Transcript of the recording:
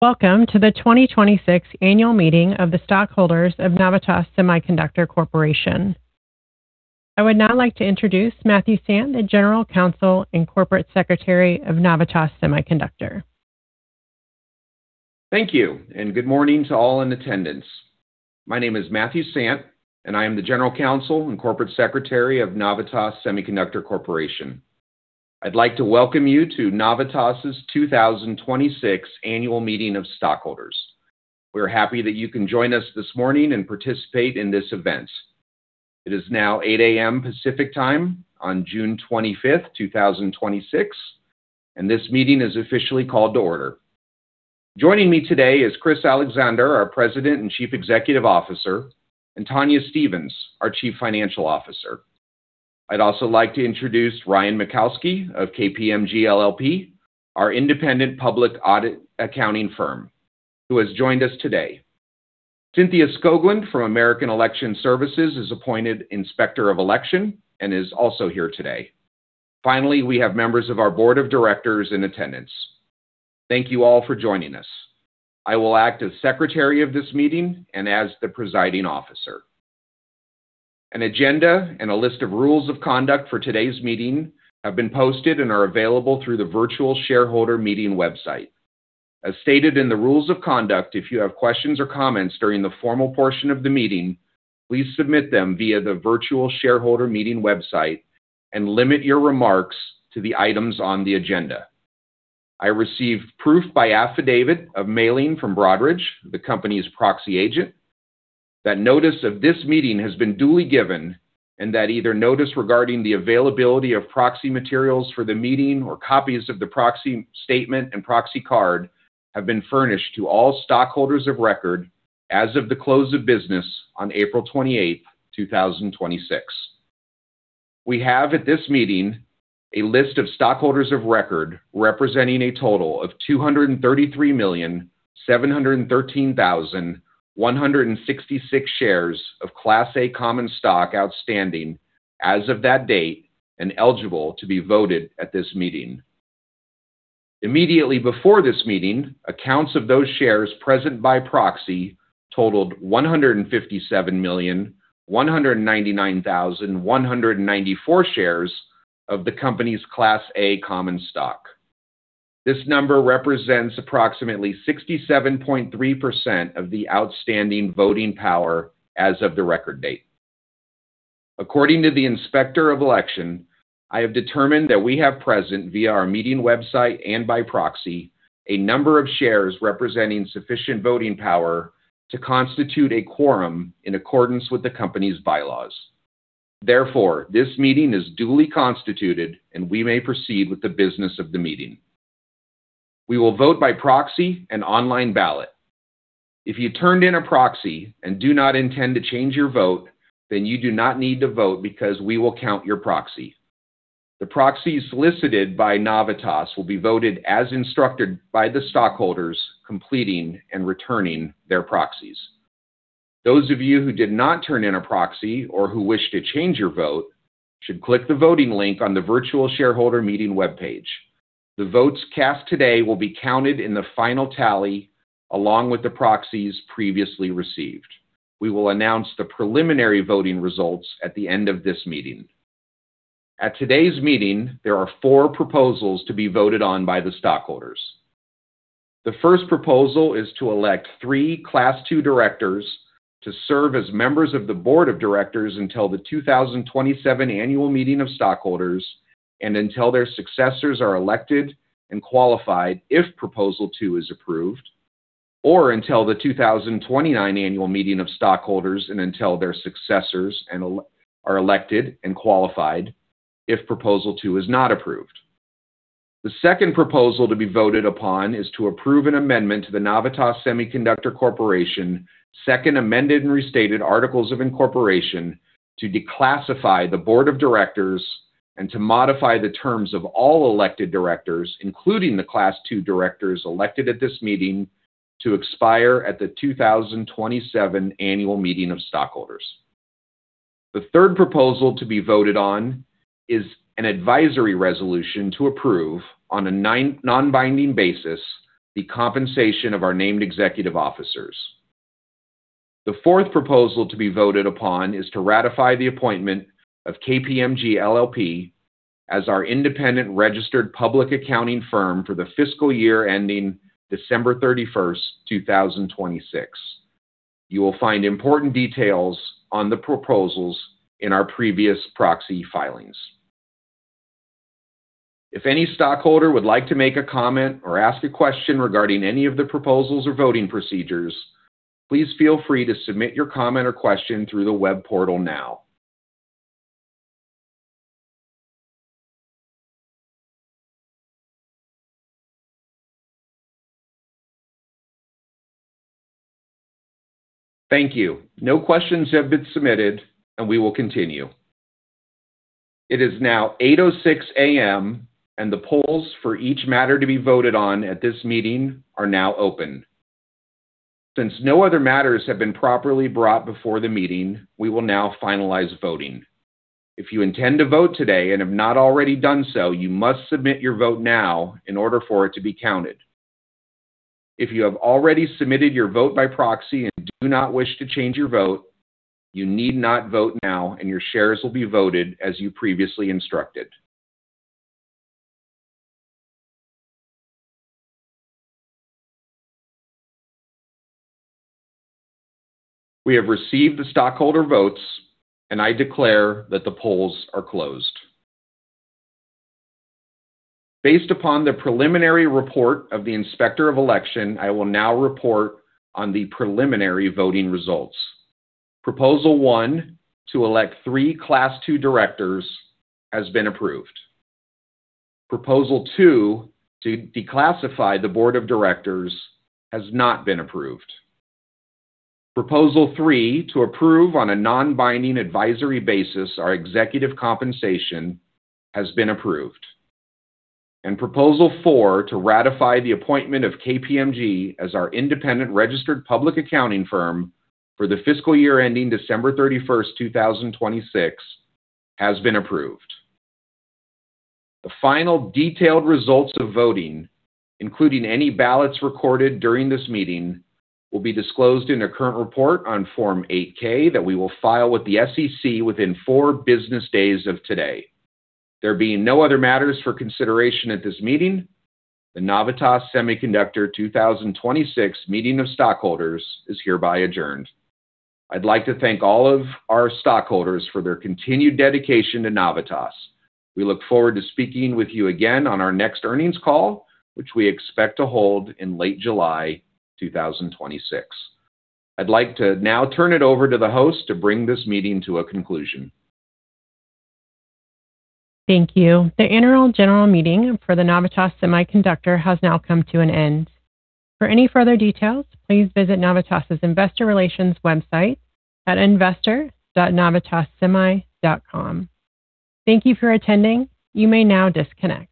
Welcome to the 2026 annual meeting of the stockholders of Navitas Semiconductor Corporation. I would now like to introduce Matthew Sant, the General Counsel and Corporate Secretary of Navitas Semiconductor. Thank you, and good morning to all in attendance. My name is Matthew Sant, and I am the General Counsel and Corporate Secretary of Navitas Semiconductor Corporation. I'd like to welcome you to Navitas's 2026 annual meeting of stockholders. We are happy that you can join us this morning and participate in this event. It is now 8:00 A.M. Pacific Time on June 25th, 2026, and this meeting is officially called to order. Joining me today is Chris Allexandre, our President and Chief Executive Officer, and Tonya Stevens, our Chief Financial Officer. I'd also like to introduce Ryan Makowsky of KPMG LLP, our independent public audit accounting firm, who has joined us today. Cynthia Skoglund from American Election Services is appointed Inspector of Election and is also here today. Finally, we have members of our board of directors in attendance. Thank you all for joining us. I will act as secretary of this meeting and as the presiding officer. An agenda and a list of rules of conduct for today's meeting have been posted and are available through the virtual shareholder meeting website. As stated in the rules of conduct, if you have questions or comments during the formal portion of the meeting, please submit them via the virtual shareholder meeting website and limit your remarks to the items on the agenda. I received proof by affidavit of mailing from Broadridge, the company's proxy agent, that notice of this meeting has been duly given and that either notice regarding the availability of proxy materials for the meeting or copies of the proxy statement and proxy card have been furnished to all stockholders of record as of the close of business on April 28th, 2026. We have at this meeting a list of stockholders of record representing a total of 233,713,166 shares of Class A common stock outstanding as of that date and eligible to be voted at this meeting. Immediately before this meeting, accounts of those shares present by proxy totaled 157,199,194 shares of the company's Class A common stock. This number represents approximately 67.3% of the outstanding voting power as of the record date. According to the Inspector of Election, I have determined that we have present via our meeting website and by proxy a number of shares representing sufficient voting power to constitute a quorum in accordance with the company's bylaws. Therefore, this meeting is duly constituted, and we may proceed with the business of the meeting. We will vote by proxy and online ballot. If you turned in a proxy and do not intend to change your vote, then you do not need to vote because we will count your proxy. The proxies solicited by Navitas will be voted as instructed by the stockholders completing and returning their proxies. Those of you who did not turn in a proxy or who wish to change your vote should click the voting link on the virtual shareholder meeting webpage. The votes cast today will be counted in the final tally along with the proxies previously received. We will announce the preliminary voting results at the end of this meeting. At today's meeting, there are four proposals to be voted on by the stockholders. The first proposal is to elect three Class II directors to serve as members of the board of directors until the 2027 annual meeting of stockholders and until their successors are elected and qualified if proposal two is approved, or until the 2029 annual meeting of stockholders and until their successors are elected and qualified if proposal two is not approved. The second proposal to be voted upon is to approve an amendment to the Navitas Semiconductor Corporation second amended and restated articles of incorporation to declassify the board of directors and to modify the terms of all elected directors, including the Class II directors elected at this meeting to expire at the 2027 annual meeting of stockholders. The third proposal to be voted on is an advisory resolution to approve, on a non-binding basis, the compensation of our named executive officers. The fourth proposal to be voted upon is to ratify the appointment of KPMG LLP as our independent registered public accounting firm for the fiscal year ending December 31st, 2026. You will find important details on the proposals in our previous proxy filings. If any stockholder would like to make a comment or ask a question regarding any of the proposals or voting procedures, please feel free to submit your comment or question through the web portal now. Thank you. No questions have been submitted, and we will continue. It is now 8:06 A.M., and the polls for each matter to be voted on at this meeting are now open Since no other matters have been properly brought before the meeting, we will now finalize voting. If you intend to vote today and have not already done so, you must submit your vote now in order for it to be counted. If you have already submitted your vote by proxy and do not wish to change your vote, you need not vote now and your shares will be voted as you previously instructed. We have received the stockholder votes, and I declare that the polls are closed. Based upon the preliminary report of the Inspector of Election, I will now report on the preliminary voting results. Proposal one, to elect three Class II directors, has been approved. Proposal two, to declassify the board of directors, has not been approved. Proposal three, to approve on a non-binding advisory basis our executive compensation, has been approved. Proposal four, to ratify the appointment of KPMG as our independent registered public accounting firm for the fiscal year ending December 31st, 2026, has been approved. The final detailed results of voting, including any ballots recorded during this meeting, will be disclosed in a current report on Form 8-K that we will file with the SEC within four business days of today. There being no other matters for consideration at this meeting, the Navitas Semiconductor 2026 meeting of stockholders is hereby adjourned. I'd like to thank all of our stockholders for their continued dedication to Navitas. We look forward to speaking with you again on our next earnings call, which we expect to hold in late July 2026. I'd like to now turn it over to the host to bring this meeting to a conclusion. Thank you. The Annual General Meeting for the Navitas Semiconductor has now come to an end. For any further details, please visit Navitas' investor relations website at investor.navitassemi.com. Thank you for attending. You may now disconnect.